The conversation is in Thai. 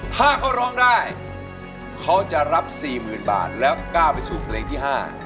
ถ้าเขาร้องได้เขาจะรับสี่หมื่นบาทแล้วก้าวไปสู่เพลงที่๕